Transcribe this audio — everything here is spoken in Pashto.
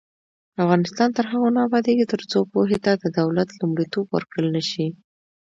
افغانستان تر هغو نه ابادیږي، ترڅو پوهې ته د دولت لومړیتوب ورکړل نشي.